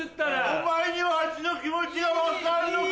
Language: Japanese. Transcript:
お前にわしの気持ちが分かるのか？